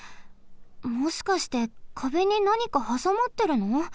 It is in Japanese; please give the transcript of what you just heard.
もしかして壁になにかはさまってるの？